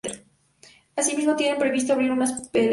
Asimismo, tienen previsto abrir una hospedería.